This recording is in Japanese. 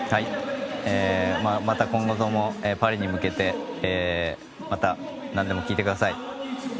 また今後ともパリに向けてまた何でも聞いてください。